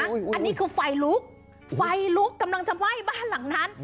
อันนี้คือไฟลุกไฟลุกกำลังจะไหม้บ้านหลังนั้น